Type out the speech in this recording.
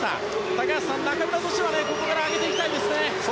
高橋さん、中村克はここから上げていきたいですね。